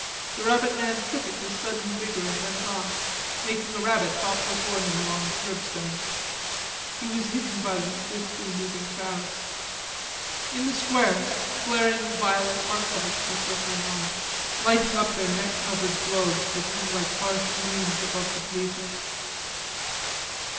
The rabbit man shook it with sudden vigor and went off, making a rabbit hop before him along the curbstone. He was hidden by the swiftly moving crowds. In the square, flaring violet arclights were flickering on, lighting up their net covered globes that hung like harsh moons above the pavement.